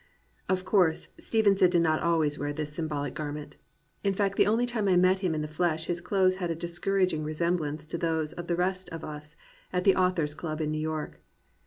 Of course, Stevenson did not always wear this symbolic garment. In fact the only time I met him in the flesh his clothes had a discouraging re semblance to those of the rest of us at the Authors Club in New York.